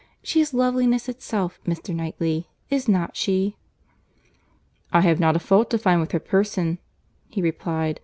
She is loveliness itself. Mr. Knightley, is not she?" "I have not a fault to find with her person," he replied.